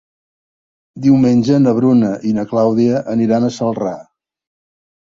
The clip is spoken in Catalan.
Diumenge na Bruna i na Clàudia aniran a Celrà.